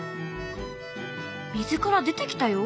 水から出てきたよ。